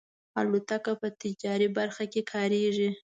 الوتکه په تجارتي برخه کې کارېږي.